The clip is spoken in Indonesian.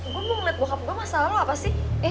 gue mau liat bokap gue masalah lo apa sih